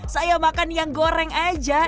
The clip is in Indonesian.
saya makan yang goreng aja